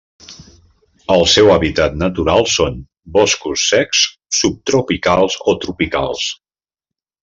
El seu hàbitat natural són boscos secs subtropicals o tropicals.